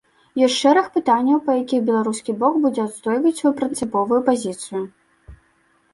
Ёсць шэраг пытанняў, па якіх беларускі бок будзе адстойваць сваю прынцыповую пазіцыю.